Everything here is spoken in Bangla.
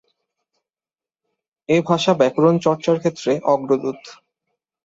এ ভাষা ব্যাকরণ চর্চার ক্ষেত্রে অগ্রদূত।